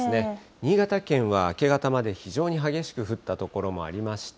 新潟県は明け方まで非常に激しく降った所もありました。